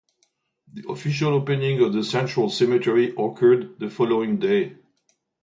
The official opening of the Central Cemetery occurred the following day.